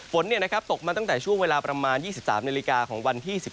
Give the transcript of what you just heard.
ฝนตกมาตั้งแต่ช่วงเวลาประมาณ๒๓นาฬิกาของวันที่๑๓